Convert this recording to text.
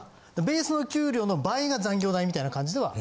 ベースの給料の倍が残業代みたいな感じでは。